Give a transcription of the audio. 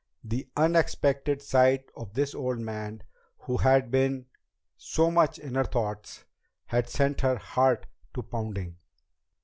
The unexpected sight of this old man who had been so much in her thoughts had sent her heart to pounding.